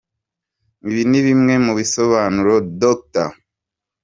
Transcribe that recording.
Ibi ni bimwe mu bisobanuro Dr.